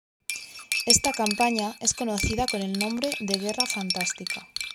Esta campaña es conocida con el nombre de Guerra Fantástica.